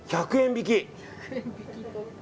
１００円引き。